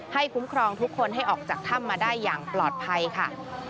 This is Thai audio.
คุ้มครองทุกคนให้ออกจากถ้ำมาได้อย่างปลอดภัยค่ะ